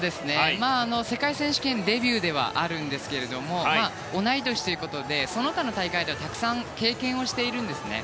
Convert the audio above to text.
世界選手権デビューではあるんですけれども同い年ということでその他の大会ではたくさん経験をしているんですね。